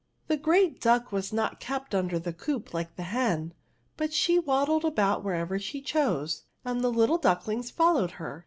The great duck was not kept imder a coop like the hen, but she 46 AATICLES, S waddled about wherever she chose^ and the little ducklings followed her.